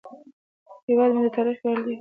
هیواد مې د تاریخ ویاړ لري